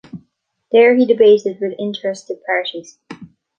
There, he debated with interested parties.